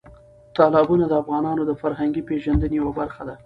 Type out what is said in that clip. تالابونه د افغانانو د فرهنګي پیژندنې یوه برخه ده.